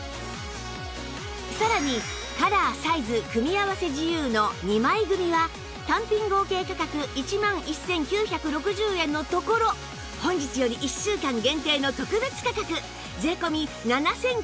さらにカラー・サイズ組み合わせ自由の２枚組は単品合計価格１１９６０円のところ本日より１週間限定の特別価格税込７９８０円